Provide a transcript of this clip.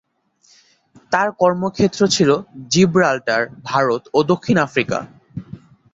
তার কর্মক্ষেত্র ছিল জিব্রাল্টার, ভারত ও দক্ষিণ আফ্রিকা।